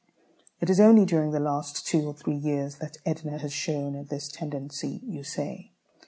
"It is only during the last two or three years that Edna has shown this tendency," you say.